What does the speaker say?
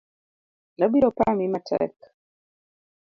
Abiro pami matek.